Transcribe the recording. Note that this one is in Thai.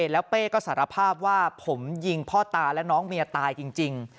แล้วเป้ก็สารภาพว่าผมยิงพ่อตาและน้องเมียตายจริง